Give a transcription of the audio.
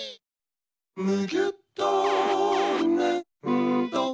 「むぎゅっとねんど」